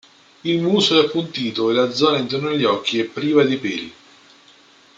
Il muso è appuntito e la zona intorno agli occhi è priva di peli.